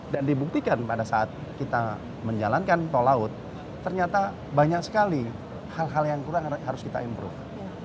dan dibuktikan pada saat kita menjalankan tol laut ternyata banyak sekali hal hal yang kurang harus kita improve